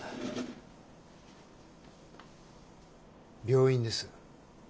病院です。